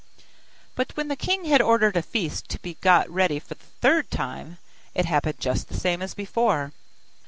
But when the king had ordered a feast to be got ready for the third time, it happened just the same as before.